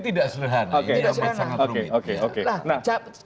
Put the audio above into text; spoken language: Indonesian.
tidak sederhana ini sangat rumit